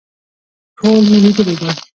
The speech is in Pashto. ټول مې لیدلي دي.